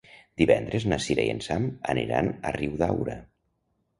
Divendres na Cira i en Sam aniran a Riudaura.